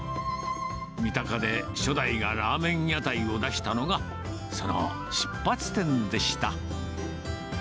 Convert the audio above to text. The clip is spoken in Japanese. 三鷹で初代がラーメン屋台を出したのが、その出発点でした。